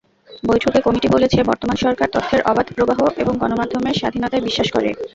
বৈঠকে কমিটি বলেছে, বর্তমান সরকার তথ্যের অবাধ প্রবাহ এবং গণমাধ্যমের স্বাধীনতায় বিশ্বাস করে।